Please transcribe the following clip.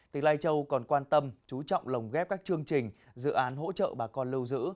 tỉnh lai châu còn quan tâm chú trọng lồng ghép các chương trình dự án hỗ trợ bà con lưu giữ